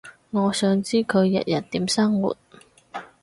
我想知佢日日點生活